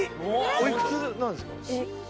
おいくつなんですか？